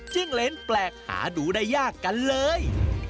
เลนแปลกหาดูได้ยากกันเลย